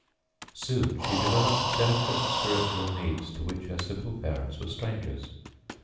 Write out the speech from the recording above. Soon she developed delicate spiritual needs to which her simple parents were strangers.